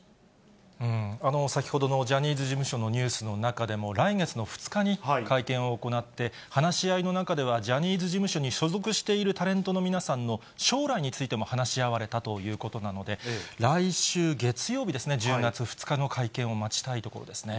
先ほどのジャニーズ事務所のニュースの中でも、来月の２日に会見を行って、話し合いの中ではジャニーズ事務所に所属しているタレントの皆さんの将来についても話し合われたということなので、来週月曜日ですね、１０月２日の会見を待ちたいところですね。